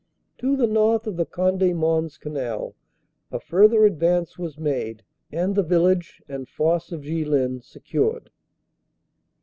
To the north of the Conde Mons Canal, a further advance was made and the village and Fosse of Ghlin secured.